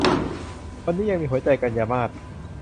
วันนี้ยังมีหัวใจ - กันยามาส